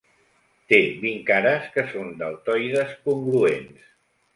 Te vint cares que són deltoides congruents.